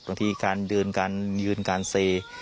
บางทีการยืนการยืนการเซ